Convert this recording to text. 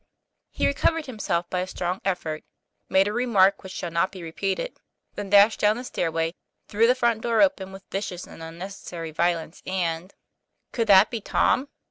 He recovered himself by a strong effort, made a remark which shall not be repeated, then dashed down the stairway, threw the front door open with vicious and unnecessary violence, and Could that be Tom